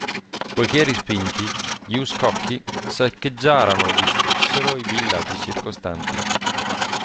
Poiché respinti, gli uscocchi saccheggiarono e distrussero i villaggi circostanti.